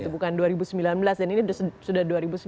bukan dua ribu sembilan belas dan ini sudah